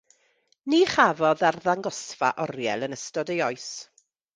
Ni chafodd arddangosfa oriel yn ystod ei oes.